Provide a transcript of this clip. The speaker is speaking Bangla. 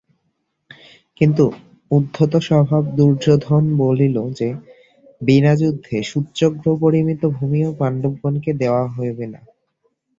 কিন্তু উদ্ধতস্বভাব দুর্যোধন বলিল যে, বিনাযুদ্ধে সূচ্যগ্রপরিমিত ভূমিও পাণ্ডবগণকে দেওয়া হইবে না।